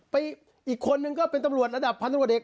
อีกคนนึงก็เป็นตำรวจระดับพันธุรกิจ